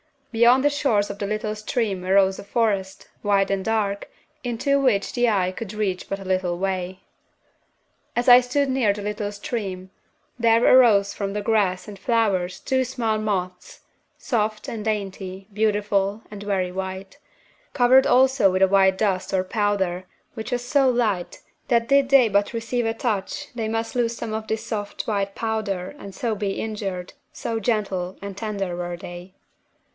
Beyond the shores of the little stream arose a forest, wide and dark, into which the eye could reach but a little way. "As I stood near the little stream, there arose from the grass and flowers two small moths, soft and dainty, beautiful, and very white, covered also with a white dust or powder which was so light that did they but receive a touch they must lose some of this soft white powder and so be injured, so gentle and tender were they.